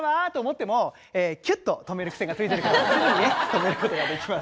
でもキュッと止めるくせがついてるのですぐに止めることができます。